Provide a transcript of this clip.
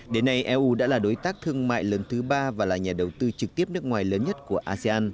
đến nay eu đã là đối tác thương mại lớn thứ ba và là nhà đầu tư trực tiếp nước ngoài lớn nhất của asean